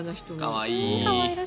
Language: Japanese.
可愛い。